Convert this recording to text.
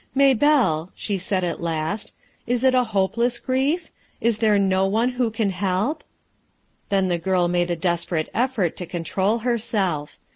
"Maybelle," she said at last, "is it a hopeless grief? Is there no One who can help?" Then the girl made a desperate effort to con trol herself.